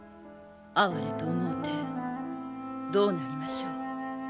哀れと思うてどうなりましょう。